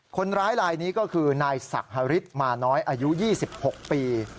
คนร้ายลายนี้ก็คือนายศักดิ์ฮาริสต์มาน้อยอายุยี่สิบหกปี